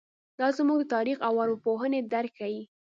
دا زموږ د تاریخ او ارواپوهنې درک ښيي.